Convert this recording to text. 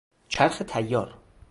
چرخ طیار